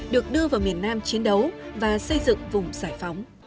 được đưa vào miền nam chiến đấu và xây dựng vùng giải phóng